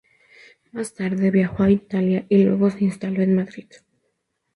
Más tarde, viajó a Italia y luego se instaló en Madrid.